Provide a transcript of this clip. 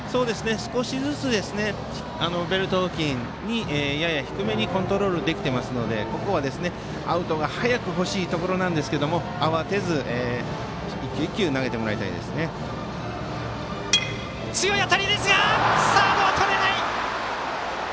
少しずつベルト付近にやや低めにコントロールできているのでここはアウトが早く欲しいところですけども慌てず、１球１球強い当たりをサードがとれない。